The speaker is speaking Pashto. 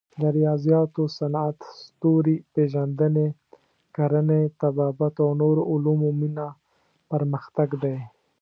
د ریاضیاتو، صنعت، ستوري پېژندنې، کرنې، طبابت او نورو علومو مینه پرمختګ دی.